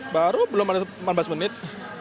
baru belum ada empat belas menit